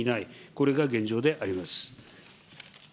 これが現状であります。